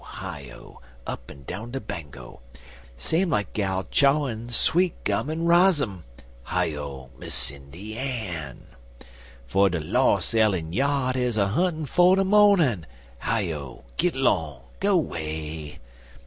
Hi O! Up'n down de Bango!) Same like gal chawin' sweet gum en rozzum (Hi O, Miss Sindy Ann!) For de los' ell en yard is a huntin' for de mornin' (Hi O! git 'long! go 'way!)